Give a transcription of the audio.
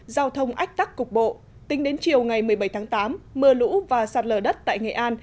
giao thông ách tắc cục bộ tính đến chiều ngày một mươi bảy tháng tám mưa lũ và sạt lở đất tại nghệ an